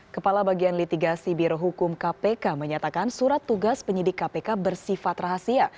kepala bagian litigasi birohukum kpk menyatakan surat tugas penyidik kpk bersifat rahasia